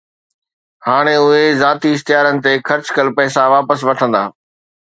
هاڻي اهي ذاتي اشتهارن تي خرچ ڪيل پئسا واپس وٺندا